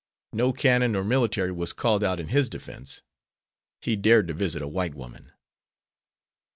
No cannon or military was called out in his defense. He dared to visit a white woman.